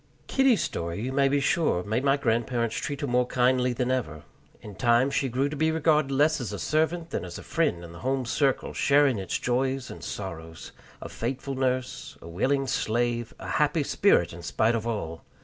Kitty's story, you may be sure, made my grandparents treat her more kindly than ever. In time she grew to be regarded less as a servant than as a friend in the home circle, sharing its joys and sorrows a faithful nurse, a willing slave, a happy spirit in spite of all.